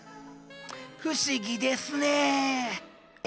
不思議ですねえ。